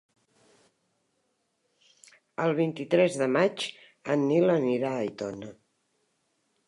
El vint-i-tres de maig en Nil anirà a Aitona.